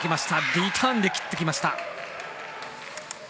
リターンで切ってきました。